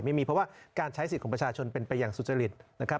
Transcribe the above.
ไม่มีเพราะว่าการใช้สิทธิ์ของประชาชนเป็นไปอย่างสุจริตนะครับ